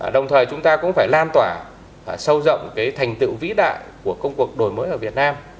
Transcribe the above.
đồng thời chúng ta cũng phải lan tỏa sâu rộng cái thành tựu vĩ đại của công cuộc đổi mới ở việt nam